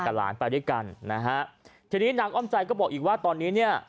หลานไปด้วยกันนะฮะทีนี้นางอ้อมใจก็บอกอีกว่าตอนนี้เนี่ย